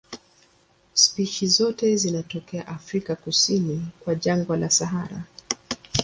Spishi zote zinatokea Afrika kusini kwa jangwa la Sahara.